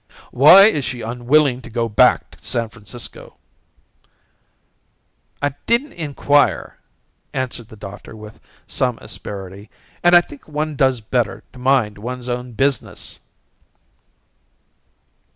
"Why is she unwilling to go back to San Francisco?" "I didn't enquire," answered the doctor with some asperity. "And I think one does better to mind one's own business."